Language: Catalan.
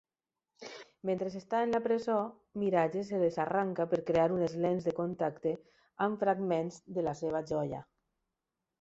Mentre està en la presó, Mirage se les arranja per a crear unes lents de contacte amb fragments de la seva joia.